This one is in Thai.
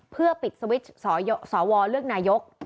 เพื่อปิดสวิตช์สวเลือกนายก